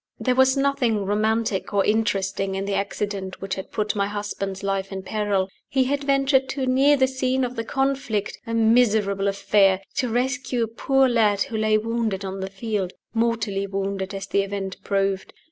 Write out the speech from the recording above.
There was nothing romantic or interesting in the accident which had put my husband's life in peril. He had ventured too near the scene of the conflict (a miserable affair) to rescue a poor lad who lay wounded on the field mortally wounded, as the event proved.